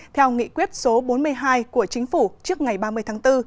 theo nghị quyết số bốn mươi hai của chính phủ trước ngày ba mươi tháng bốn